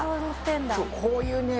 こういうね